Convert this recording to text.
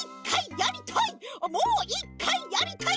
もう１かいやりたい！